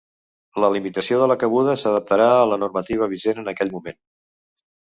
La limitació de la cabuda s’adaptarà a la normativa vigent en aquell moment.